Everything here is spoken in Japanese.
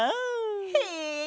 へえ！